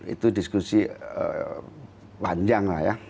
itu diskusi panjang lah ya